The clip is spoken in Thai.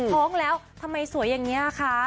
ท้องแล้วทำไมสวยอย่างนี้คะ